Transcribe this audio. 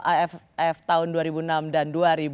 aff tahun dua ribu enam dan dua ribu enam